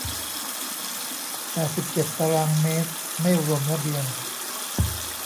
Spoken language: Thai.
แปดสิบเจ็ดตารางเมตร ไม่รวมระเบียง